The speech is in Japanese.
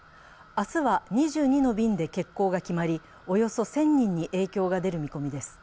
明日は２２の便で欠航が決まり、およそ１０００人に影響が出る見込みです。